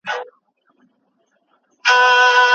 هغوی د ارمنستان د غرونو اوغانانو سره آشنا وو.